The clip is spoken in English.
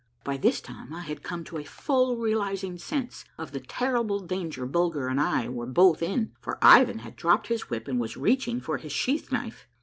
By this time I had come to a full realizing sense of the terri ble danger Bulger and I were both in, for Ivan had dropped his whip and was reaching for his sheath knife.